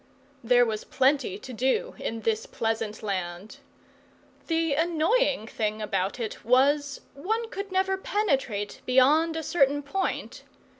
There was plenty to do in this pleasant land. The annoying thing about it was, one could never penetrate beyond a certain point.